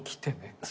そう。